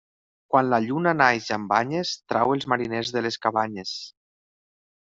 Quan la lluna naix amb banyes trau els mariners de les cabanyes.